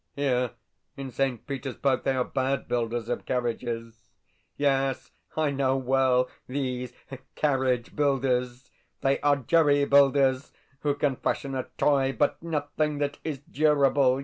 Here, in St. Petersburg, they are bad builders of carriages. Yes, I know well these carriage builders. They are jerry builders who can fashion a toy, but nothing that is durable.